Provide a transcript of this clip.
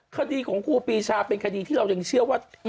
คดีของกูปีชาเป็นคดีที่เราน่ายังเชื่อว่ายังลืมด้วย